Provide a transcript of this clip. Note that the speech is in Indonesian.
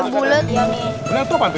bener itu apaan ini